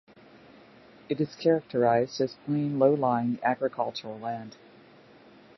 It is characterized as plain, low-lying agricultural land.